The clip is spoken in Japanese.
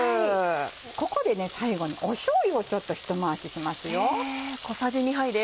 ここで最後にしょうゆをひと回しします。